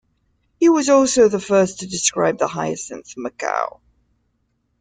He was also the first to describe the hyacinth macaw.